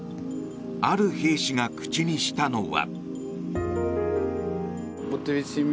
ある兵士が口にしたのは。